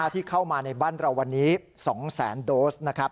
ที่เข้ามาในบ้านเราวันนี้๒แสนโดสนะครับ